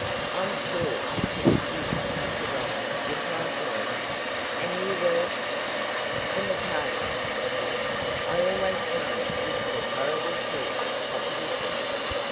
"I'm sure he could assume such a rôle," replied Dorothy. "And you were " "The Mikado, of course. I always come in for the 'Turrible Turk' proposition."